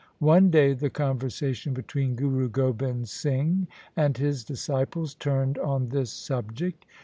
One day the conversation between Guru Gobind Singh and his disciples turned on this subject.